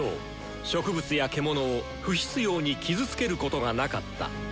植物や獣を不必要に傷つけることがなかった。